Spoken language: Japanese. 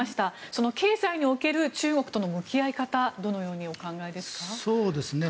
その経済における中国との向き合い方どのようにお考えですか？